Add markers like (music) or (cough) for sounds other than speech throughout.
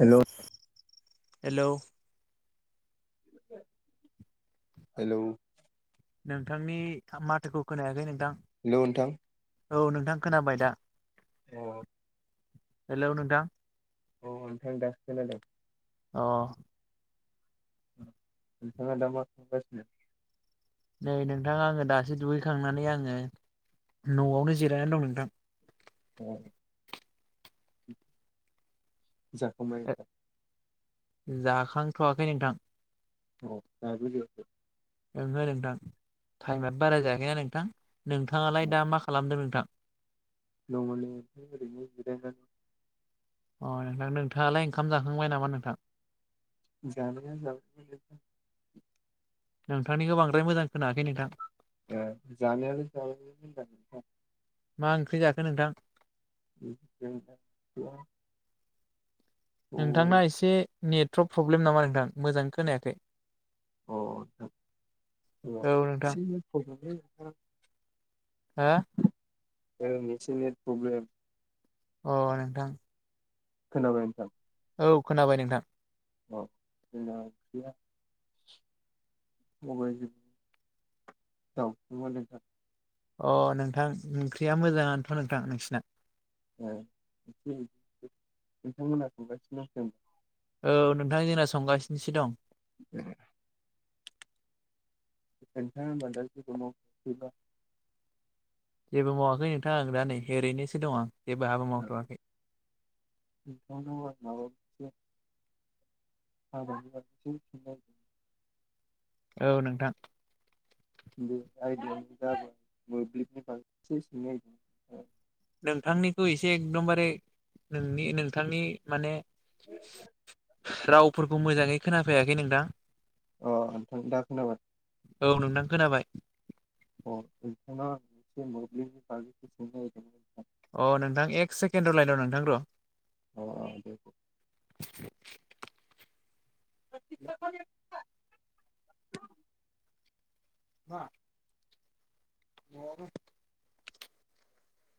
Hello hello hello नोंथांनि माथोखौ खोनायाखै नोंथां। हेलौ नोंथां। औ नोंथां खोनाबाय दा। अ हेलौ नोंथां। अ नोंथां दोसो खोनादों। अ नोंथाङा दा मा खालामगासिनो? नै नोंथां आङो दासो दुगैखांनानै आङो न'आवनो जिरायना दं नोंथां। अ जाखांबाय ओंखाम? जाखां थवाखै नोंथां। औ दाबो जायाखै? ओहो नोंथां। टाइमाथ बारा जायाखैना नोंथां। नोंथाङालाय दा मा खालामदों नोंथां? दङ नै नोंथां ओरैनो जिरायनानै। अ नोंथां। नोंथाङालाय ओंखाम जाखांबाय नामा नोंथां? जानाया जाबाय (unintelligible) नोंथांनिखो बांद्राय मोजां खोनाखै नोंथां। ए जानायाल (unintelligible) मा ओंख्रि जाखो नोंथां (unintelligible) नोंथांना एसे नेट्रक प्रब्लेम नामा नोंथां? मोजांङै खोनायाखै। औ नोंथां (inaudible) हा? ओं जसे नेट प्रब्लेम। अ नोंथां। खोनाबाय नोंथां? औ खोनाबाय नोंथां। अ जोंना ओंख्रिया सबाइसो। दावसोमोन नोंथां अ नोंथां ओंख्रिया मोजाङानोथ नोंथां नोंसिना ए बिथांमोना थांगासिनो बुंदों औ नोंथां जोंना संगासिनोसो दं ए (unintelligible) जेबो मावाखै नोंथां दा नै ओरैनोसों दं आं जेबो हाबा मावथ'वाखै (unintelligible) (unintelligible) औ नोंथां बे आयदायानो जाबाय मोब्लिबनि बागै एसे सोंनो नागिरदोंमोन नोंथांनिखौ एसे एकदमबारे नोंनि नोंथांनि माने (unintelligible) रावफोरखौ मोजाङै खोनाफैयाखै नोंथां अ नोंथां दा खोनाबाय औ नोंथां खोनाबाय (unintelligible) अ नोंथां एक सेकेणड रलाय नोंथां र' अ अ दे (unintelligible) मा नआवनो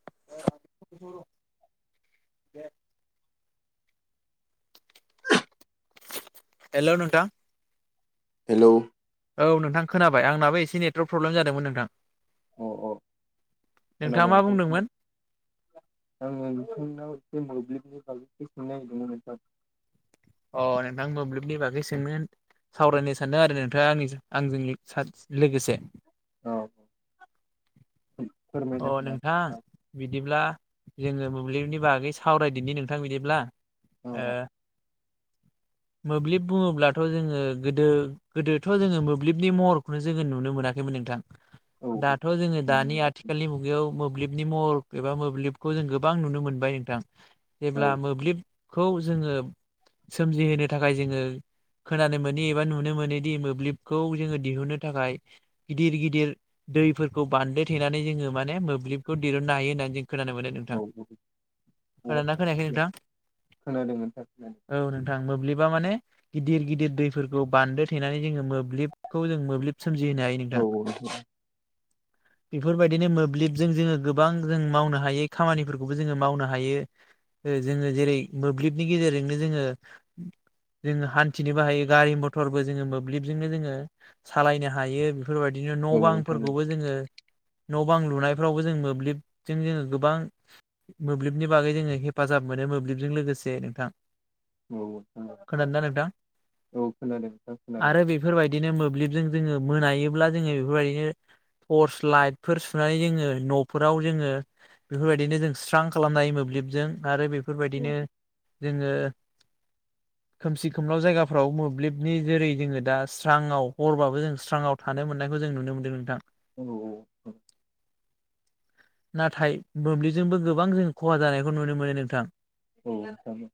(unintelligible) हेलौ नोंथा हेलौ औ नोंथां खोनाबाय आंनाबो एसे नेटवर्क प्रब्लेम जादोंमोन नोंथां औ औ नोंथाङा खोनाबाय मा नोंथां बुंदोंमोन खोनाबाय आङो नोंथांनाव एसे मोब्लिबनि बागै सोंनो नागिरदोंमोन नोंथां अ नोंथां मोब्लिबनि बागै सोंनो सावरायनो सानदों आरो नोंथाङा आं आंजों लोगोसे औ अ फोरमायना होनो नोंथां हागोन ना बिदिब्ला जोङो मोब्लिबनि बागै सावरायदिनि नोंथां बिदिब्ला औ (inaudible) मोब्लिब बुङोब्लाथ' जोङो गोदो गोदोथ' जोङो मोब्लिबनि महरखौनो जोङो नुनो मोनाखैमोन नोंथां औ दाथ' जोङो दानि आथिखालनि मुगायाव मोब मोब्लिबनि महर एबा मोब्लिबखौ जों गोबां नुनो मोनबाय नोंथां औ जेब्ला मोब्लिब खौ जोङो सोमजिहोनो थाखाय जोङो खोनानो मोनि एबा नुनो मोनोदि मोब्लिबखौ जोङो दिहुनो थाखाय गिदिर गिदिर दैफोरखौ बान्दो थेनानै जोङो माने मोब्लिबखौ दिरुननो हायो होननानै जों खोनानो मोनो औ नोंथां औ खोनादोंना खोनायाखै नोंथां खोनादों नोंथां खोनादों औ नोंथां मोब्लिबा माने गिदिर गिदिर दैफोरखौ बान्दो थेनानै जोङो मोब्लिबखौ जों मोब्लिब सोमजिहोनो हायो औ नोंथां औ नोंथां बेफोरबायदिनो मोब्लिबजों जोङो गोबां जों मावनो हायै खामानिफोरखौबो जोङो मावनो हायो। जोङो जेरै मोब्लिबनि गेजेरजोंनो जोङो जोङो हान्थिनोबो हायो गारि मथरबो जोङो मोब्लिबजोंनो जोङो सालायनो हायो बेफोरबायदिनो न' औ नोंथां बांफोरखौबो जोङो न' बां लुनायफ्रावबो जों मोब्लिबजों जोङो गोबां मोब्लिबनि बागै जोङो हेफाजाब मोनोमोन मोब्लिबजों लोगोसे नोंथां औ नोंथां खोनादोंना औ नोंथां औ खोनादों नोंथां खोनादों आरो बेफोरबायदिनो मोब्लिबजों जोङो मोनायोब्ला जोङो बेफोरबायदिनो टर्स लाइटफोर सुनानै जोङो न'फोराव जोङो बेफोरबायदिनो जों स्रां खालामनाय मोब्लिबजों आरो औ बेफोरबायदिनो जोङो (unintelligible) खोमसि खोमलाव जायगाफ्राव मोब्लिबनि जेरै जोङो दा स्रावाव हरबाबो जों स्रांवाव थानो मोननायखौ जों नुनो मोनदों नोंथां औ नाथाय मोब्लिजोंबो गोबां जों खहा जानायखौ नुनो मोनो नोंथां औ नोंथां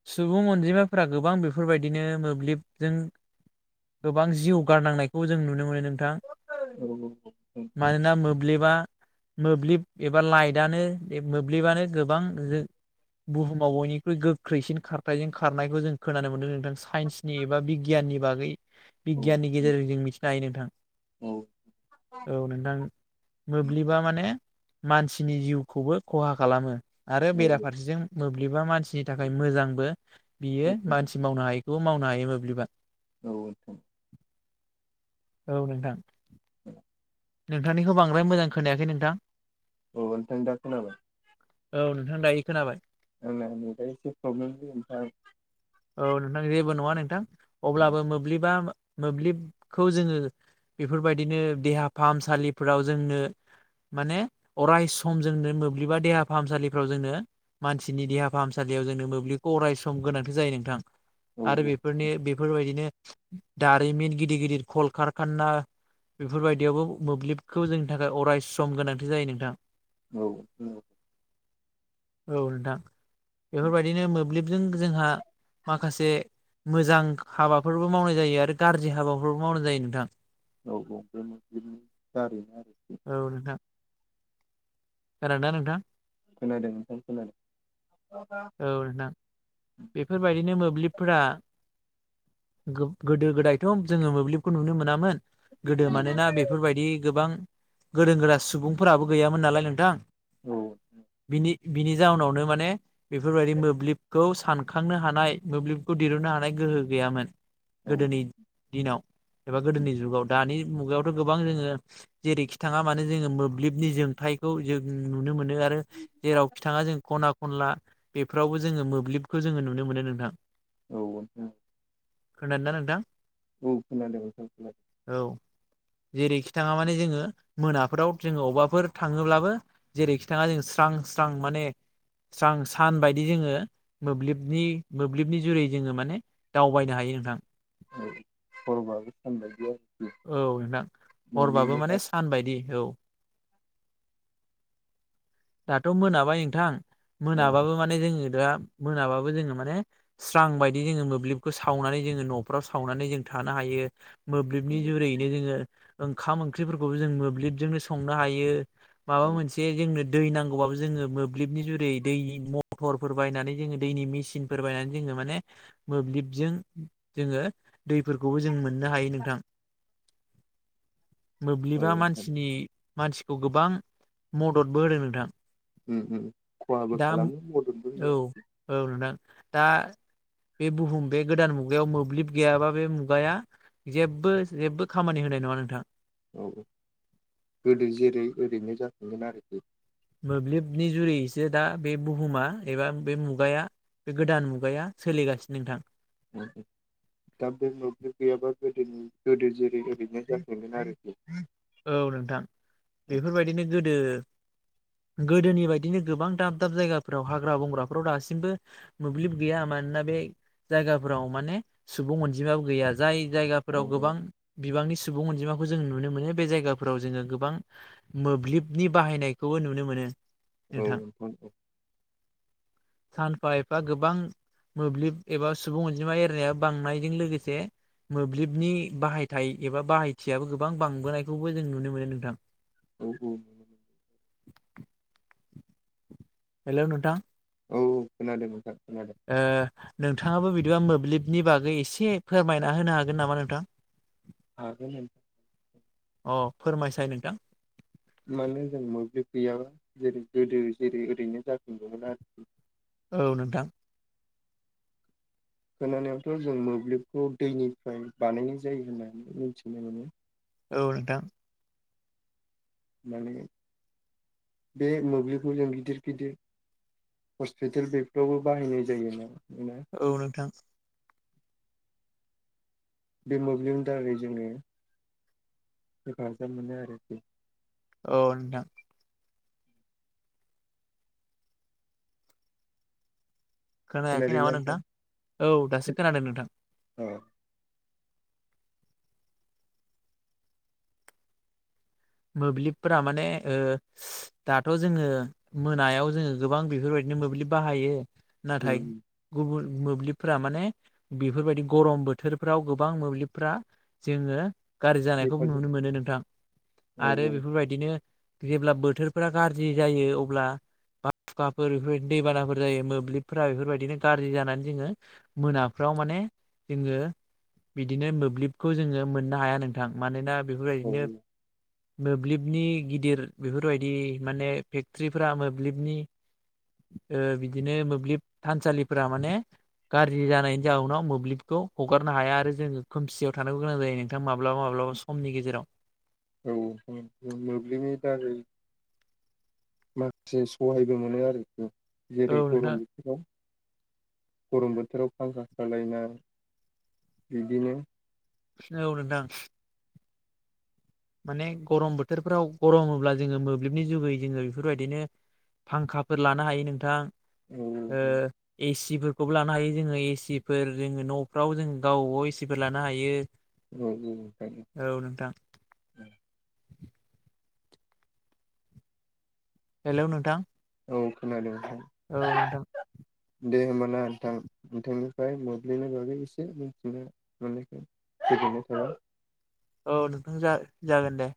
(unintelligible) फोरा गोबां बेफोरबायदिनो मोब्लिबजों गोबां जिउ गारनांनायखौ जों नुनो मोनो नोंथां औ औ मानोना मोब्लिबा मोब्लिब एबा लाइटनो मोब्लिबानो गोबां बुहुमाव बयनिख्रुइ गोख्रैसिन खारथायजों खारनायखौ जों खोनानो मोन्दों जों साइन्सनि एबा बिगियाननि बागै बिगियाननि गेजेरजों जों मिथिनो हायो नोंथां औ नोंथां मोब्लिबा माने मानसिनि जिउखौबो खहा खालामो आरो बेराफारसेजों मोब्लिबा मानसि नि थाखाय मोजांबो बियो मानसि मावनो हायैखौ मावनो हायो मोब्लिबा नोंथां औ नोंथां (unintelligible) नोंथांनिखौ बांद्राय मोजां खोनायाखै नोंथां औ नोंथां दा खोनाबाय औ नोंथां दा खोनाबाय आंना नेटानो एसे प्रब्लेम नोंथां औ नोंथां जेबो नङा अब्लाबो मोब्लिबा मोब्लिबखौ जोङो बेफोरबायदिनो देहा फाहामसालिफोराव जोंनो माने अराय सम जोंनो मोब्लिबा देहा फाहामसालिफ्राव जोंनो मानसिनि देहा फाहामसालि याव जोंनो मोब्लिबखौ अरायस गोनांथि जायो नोंथां औ औ आरो बेफोरनि बेफोरबायदिनो दारिमिन गिदिर गिदिर कलकारखाना बेफोरबायदि बेयावबो मोब्लिबखौ जोंनि थाखाय अराय सम गोनांथि जायो नोंथां औ औ औ नोंथां बेफोरबायदिनो मोब्लिबजों जोंहा माखासे मोजां हाबाफोरबो मावनाय जायो आरो गाज्रि हाबाफोरबो मावनाय जायो नोंथां औ औ बे मोब्लिबनि दारैनो आरोखि औ नोंथां खोनादोंना नोंथां? खोनादों नोंथां खोनादों औ नोंथां बेफोरबायदिनो मोब्लिबफोरा गो -गोदो गोदायथ' जोङो मोब्लिबखौ नुनो मोनामोन गोदो मानोना बेफोरबायदि गोबां गोरों गोरा सुबुंफोराबो गैयामोन नालाय नोंथां बिनि बिनि जाहोनावनो माने बेफोरबायदि मोब्लिबखौ सानखांनो हानाय मोब्लिबखौ दिरुननो हानाय गोहो गैयामोन। औ गोदोनि दिनाव एबा गोदोनि जुगाव दानि मुगायावथ' गोबां जोङो जेरैखि थाङा मानो जोङो मोब्लिबनि जोंथायखौ जों नुनो मोनो आरो आरो जेरावखि थाङा जों खना खनला बेफोरावबो जोङो मोब्लिबखौ जोङो नुनो मोनो नोंथां औ औ ओ खोनादोंना नोंथां? औ खोनादों नोंथां खोनादों औ जेरैखि थाङा माने जोङो मोनाफोराव जोङो अबेबाफोर थाङोब्लाबो जेरैखि थाङा जों स्रां स्रां माने स्रां सान बायदि जोङो मोब्लिबनि मोब्लिबनि जुरै जोङो माने दावबायनो हायो नोंथां औ हरबाबो सानबायदि आरोखि औ नोंथां हरबाबो मोब्लिबनि माने दारै सान बायदि औ दाथ' मोनाबाय नोंथां। औ मोनाबाबो माने जोङो दा मोनाबाबो जोङो माने स्रां बायदि जोङो मोब्लिबखौ सावनानै जोङो न'फ्राव सावनानै जों थानो हायो। मोब्लिबनि औ जुरैनो जोङो ओंखाम ओंख्रिफोरखौबो जों मोब्लिबजोंनो संनो हायो। माबा औ मोनसे जोंनो दै नांगौबाबो जोङो मोब्लिबनि जुरै दै मथरफोर बायनानै जोङो दैनि मिसिनफोर बायनानै जोङो माने मोब्लिबजों जोङो दैफोरखौबो जों मोननो हायो नोंथां। (inaudible) औ मोब्लिबा नोंथां मानसिनि मानसिखौ गोबां मददबो होदों नोंथां। उम उम खहाबो दा खालामो मददबो औ होयो आरोखि। औ नोंथां। दा बे बुहुम बे गोदान मुगायाव मोब्लिब गैयाबा बे मुगाया जेबो जेबो खामानि हो नाय नङा नोंथां। औ औ गोदो जेरै एरैनो जफिनगोन आरोखि। मोब्लिबनि जुरैयैसो दा बे बुहुमा एबा बे मुगाया बे गोदान मुगाया सोलिगासिनो नोंथां। (unintelligible) दा बे मोब्लिब गैयाबा गोदोनि गोदो जेरै ओरैनो जाफिनगोन आरोखि। औ नोंथां। बेफोरबायदिनो गोदो (inaudible) गोदोनि बायदिनो गोबां दाब दाब जायगाफ्राव हाग्रा बंग्राफ्राव दासिमबो मोब्लिब गैया मानना बे जायगाफोराव माने सुबुं अनजिमाबो गैया। जाय जायगाफोराव औ गोबां बिबांनि सुबुं अनजिमाखौ जों नुनो मोनो बे जायगाफोराव जोङो गोबां मोब्लिबनि बाहायनायखौबो नुनो मोनो। औ नोंथां औ। सानफा एफा गोबां मोब्लिब एबा सुबुं अनजिमा एरनाया बांनायजों लोगोसे मोब्लिबनि बाहायथाय एबा बाहायथियाबो गोबां बांबोनायखौबो जों नुनो मोनो नोंथां। औ औ नंगौ नोंथां। हेलौ नोंथां। औ खोनादों नोंथां। खोनादों ओ नोंथाङाबो बिदिबा मोब्लिबनि बागै एसे फोरमायना होनो हागोन नामा नोंथां? हागोन ओं। अ फोरमायसाय नोंथां। मानो जों मोब्लिब गैयाबा जेरै गोदो जेरै ओरैनो जाफिनगौमोन आरोखि औ नोंथां। खोनानायावथ' जों मोब्लिबखौ दैनिफ्राय बानायनाय जायो होननानै मिनथिनो मोनो। औ नोंथां। माने बे मोब्लिबखौ जों गिदिर गिदिर हस्पिटेल बेफ्रावबो बाहायनाय जायोना। औ नोंथां। बे मोब्लिबनि दारै जोङो हेफाजाब मोनो आरोखि। औ नोंथां। खोनायाखै नामा नोंथां? औ दासो खोनादों नोंथां। औ मोब्लिबफोरा माने ओ दाथ' जोङो मोनायाव जोङो गोबां बेफोर बाय नो मोब्लिब बाहायो नाथाय उम गुबुन मोब्लिबफ्रा माने बेफोर बायदि गरम बोथोरफ्राव गोबां मोब्लिबफ्रा जोङो गाज्रि जानायखौबो हेफाजाब नुनो मोनो नोंथां औ आरो बेफोर बायदिनो जेब्ला बोथोरफोरा गाज्रि जायो अब्ला बा खुवाफोर बेफोर बायदि दैबानाफोर जायो मोब्लिबफोरा बेफोर बायदिनो गाज्रि जानानै जोङो मोनाफ्राव माने जोङो बिदिनो मोब्लिबखौ जोङो मोननो हाया नोंथां। मानोना बेफोर औ बायदिनो मोब्लिबनि गिदिर बेफोर बायदि माने फेक्ट्रिफ्रा मोब्लिबनि ओ बिदिनो मोब्लिब थानसालिफोरा माने गाज्रि जानायनि जाउनाव मोब्लिबखौ हगारनो हाया आरो जोङो खोमसियाव थानांगौ गोनां जायो नोंथां माब्लाबा माब्लाबा औ समनि गेजेराव औ मोब्लिबनि दारै माखासे सहायबो मोनो आरोखि औ जेरै गरम नोंथां बोथोराव गरम बोथोराव फांखा सालायनाय बिदिनो औ नोंथां माने गरम बोथोरफ्राव गरमोब्ला जोङो मोब्लिबनि जुगै जोङो बेफोर बायदिनो फांखाफोर लानो हायो नोंथां औ ओ ए सि बो खौबो लानो हायो जोङो ए सि फोर जोङो न'फ्राव जों गावबाव ए सि फोर लानो हायो। औ औ हायो औ नोंथां हेलौ नोंथां औ खोनादों औ नोंथां नोंथां दे होमबाना नोंथां। नोंथांनि फ्राय मोब्लिबनि बागै एसे मोनथिनो मोननायखौ गोजोननाय थाबाय। औ नोंथां जा-जागोन दे।